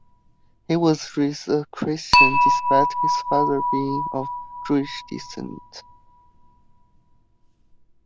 He was raised a Christian despite his father being of Jewish descent.